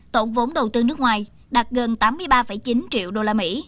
tổng vốn đầu tư nước ngoài đạt gần tám mươi ba chín triệu usd